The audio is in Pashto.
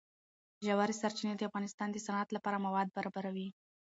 ژورې سرچینې د افغانستان د صنعت لپاره مواد برابروي.